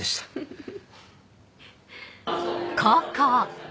フフフ。